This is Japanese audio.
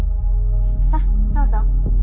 さっどうぞ。